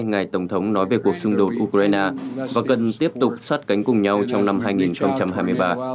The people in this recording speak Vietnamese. ngài tổng thống nói về cuộc xung đột ukraine và cần tiếp tục sát cánh cùng nhau trong năm hai nghìn hai mươi ba